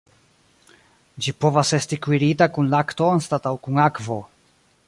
Ĝi povas esti kuirita kun lakto anstataŭ kun akvo.